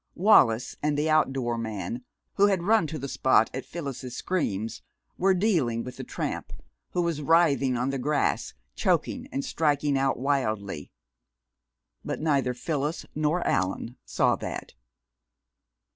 Wallis and the outdoor man, who had run to the spot at Phyllis's screams, were dealing with the tramp, who was writhing on the grass, choking and striking out wildly. But neither Phyllis nor Allan saw that.